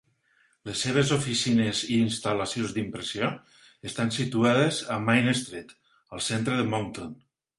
Les seves oficines i instal·lacions d'impressió estan situades a Main Street, al centre de Moncton.